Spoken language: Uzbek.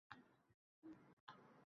Baʼzida esa bu g‘ov – korrupsiya.